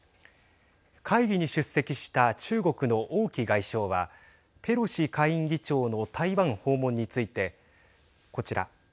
会議に出席した中国の王毅外相はペロシ下院議長の台湾訪問についてこちら。